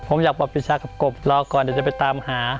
ผมอยากบอกปีชากับกบรอก่อนเดี๋ยวจะไปตามหา